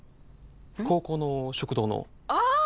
高校の食堂のああ！